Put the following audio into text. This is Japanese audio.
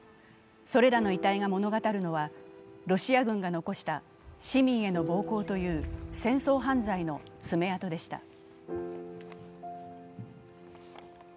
それらの遺体が物語るのはロシア軍が残した市民への暴行という戦争犯罪の爪痕でした。